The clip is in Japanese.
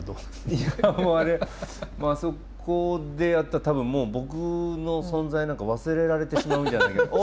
いやもうあれあそこでやったら多分もう僕の存在なんか忘れられてしまうんじゃないかな。